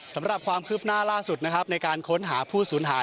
สำหรับความคืบหน้าล่าสุดนะครับในการค้นหาผู้สูญหาย